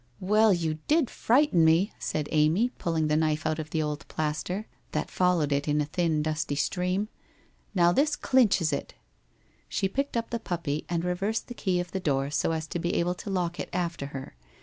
'Well, you did frighten me!' said Amy, pulling the knife out of the old plaster, that followed it in a thin dusty stream. ' Xow this clinches it !' She picked up the puppy and reversed the key of the door so as to be able to lock it after her.